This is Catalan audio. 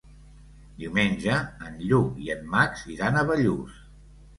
Diumenge en Lluc i en Max iran a Bellús.